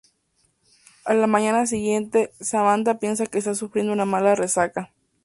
A la mañana siguiente, Samantha piensa que está sufriendo una mala resaca.